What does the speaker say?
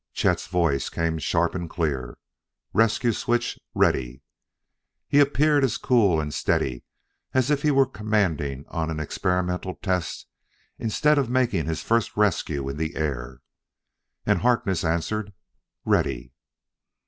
Chet's voice came sharp and clear: "Rescue switch ready?" He appeared as cool and steady as if he were commanding on an experimental test instead of making his first rescue in the air. And Harkness answered: "Ready."